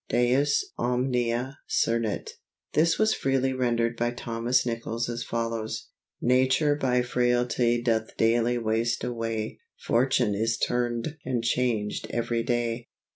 Deus omnia cernit. This was very freely rendered by Thomas Nicols as follows: Nature by frailty doth dayly waste away. Fortune is turn'd and changed every day.